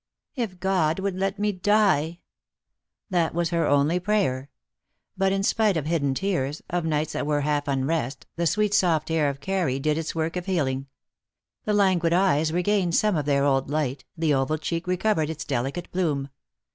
" If God would let me die !" That was her only prayer. But in spite of hidden tears, of nights that were half unrest, the sweet soft air of Ksrry did its work of healing. The languid eyes regained some of their old light, the oval cheek recovered its delicate bloom.